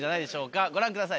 ご覧ください